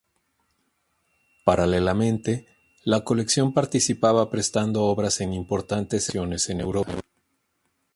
Paralelamente, la colección participaba prestando obras en importantes exposiciones en Europa.